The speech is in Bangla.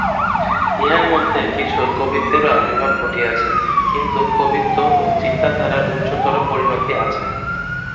ইহার মধ্যে কিছু কবিত্বেরও আবির্ভাব ঘটিয়াছে, কিন্তু কবিত্ব ও চিন্তাধারার উচ্চতর পরিণতি আছে।